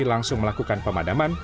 langsung melakukan pemadaman